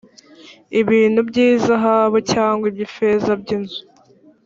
ibintu by’izahabu cyangwa iby’ifeza by’inzu